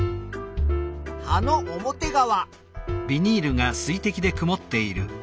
葉の表側。